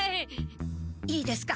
いいですか！